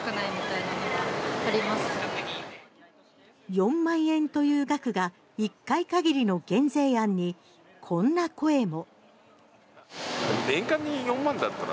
４万円という額が１回限りの減税案にこんな声も。